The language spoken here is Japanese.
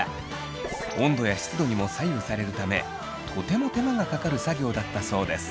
温度や湿度にも左右されるためとても手間がかかる作業だったそうです。